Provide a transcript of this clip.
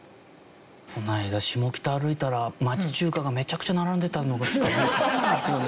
この間下北歩いたら町中華がめちゃくちゃ並んでたのしか思い付かないんですよね。